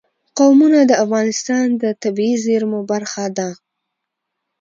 قومونه د افغانستان د طبیعي زیرمو برخه ده.